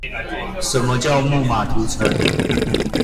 什麼叫木馬屠城